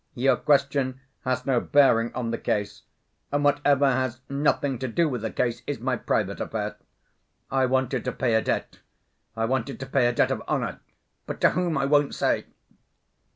Your question has no bearing on the case, and whatever has nothing to do with the case is my private affair. I wanted to pay a debt. I wanted to pay a debt of honor but to whom I won't say."